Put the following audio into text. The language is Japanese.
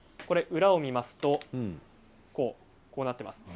裏を見ますとこうなっています。